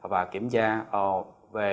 và kiểm tra về